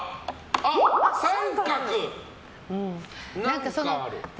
何かある？